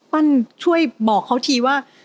ปั้นช่วยบอกเขาทีว่า